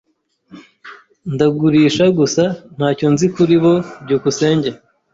Ndagurisha gusa. Ntacyo nzi kuri bo. byukusenge